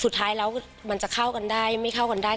สุดท้ายแล้วมันจะเข้ากันได้ไม่เข้ากันได้